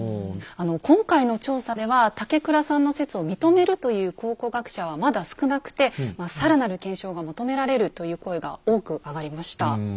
今回の調査では竹倉さんの説を認めるという考古学者はまだ少なくて更なる検証が求められるという声が多くあがりました。